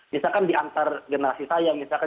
misalkan di antar generasi saya misalkan